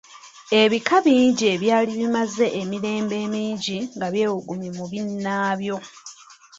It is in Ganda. Ebika bingi ebyali bimaze emirembe emingi nga byewogomye mu binnaabyo.